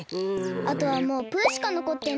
あとはもうプしかのこってないな。